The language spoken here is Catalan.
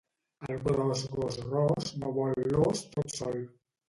El gros gos ros no vol l'os tot sol